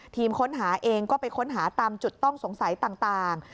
ทีมค้นหาเองก็ไปค้นหาตามจุดต้องสงสัยต่าง